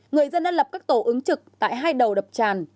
người dân đã lập các tổ ứng trực tại hai đầu đập tràn